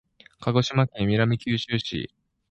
鹿児島県南九州市